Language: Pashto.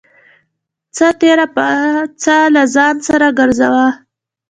څه تېره پڅه له ځان سره گرځوه.